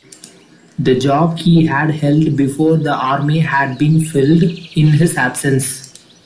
The job he had held before the army had been filled in his absence.